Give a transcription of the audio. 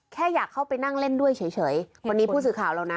แค่อยากเข้าไปนั่งเล่นด้วยเฉยวันนี้ผู้สื่อข่าวเรานะ